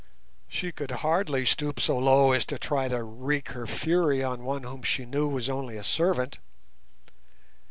She could hardly stoop so low as to try to wreak her fury on one whom she knew was only a servant.